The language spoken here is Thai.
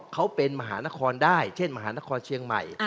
เขาเป็นมหานครได้เช่นมหานครเชียงใหม่